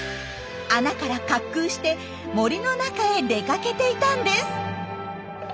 穴から滑空して森の中へ出かけていたんです。